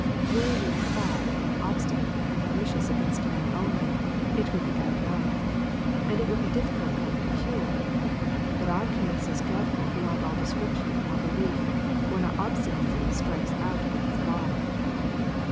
Were we proud and obstinate and malicious against men only it would be bad enough, and it would be difficult enough to cure, but our case is dreadful beyond all description or belief when our obstinacy strikes out against God.